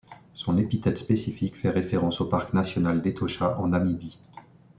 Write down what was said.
Son épithète spécifique fait référence au Parc national d'Etosha en Namibie.